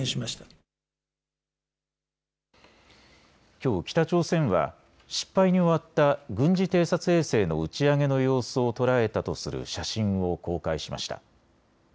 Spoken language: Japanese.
きょう北朝鮮は失敗に終わった軍事偵察衛星の打ち上げの様子を捉えたとする写真を公開しました。